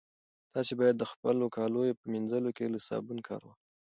تاسي باید د خپلو کاليو په مینځلو کې له صابون کار واخلئ.